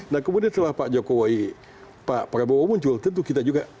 nah kemudian setelah pak jokowi pak prabowo muncul tentu kita juga